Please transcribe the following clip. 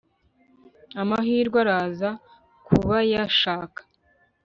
Amahirwe araza kubayashaka